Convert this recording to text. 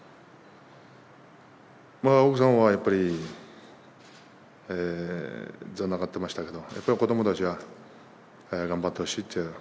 奥さんはやっぱり、残念がってましたけど、やっぱり子どもたちは、頑張ってほしいって